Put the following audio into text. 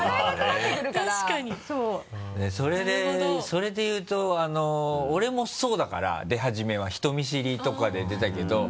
それで言うと俺もそうだから出始めは人見知りとかで出たけど。